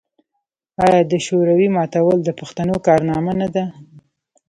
آیا د شوروي ماتول د پښتنو کارنامه نه ده؟